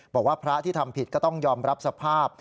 บอกว่าพระที่ทำผิดก็ต้องยอมรับสภาพ